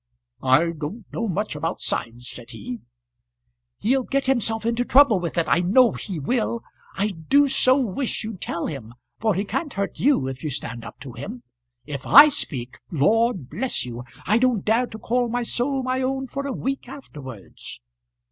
"I don't know much about sides," said he. "He'll get himself into trouble with it; I know he will. I do so wish you'd tell him, for he can't hurt you if you stand up to him. If I speak, Lord bless you, I don't dare to call my soul my own for a week afterwards."